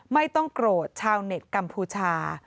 ไม่ต้องโกรธชาวเน็ตกัมพูชา